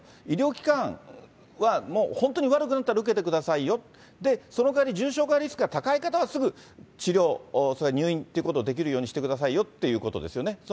医療機関はもう、本当に悪くなったら受けてくださいよ、その代わり重症化リスクが高い方は、すぐ治療、入院ということをできるようにしてくださいよということですよね。